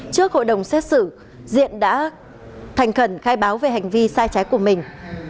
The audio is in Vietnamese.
trước hội đồng xét xử diện đã thành khẩn khai báo về hành vi sai trái của mình